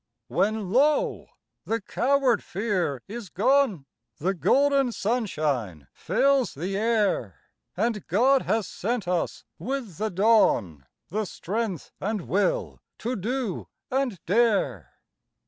When, lo! the coward fear is gone The golden sunshine fills the air, And God has sent us with the dawn The strength and will to do and dare.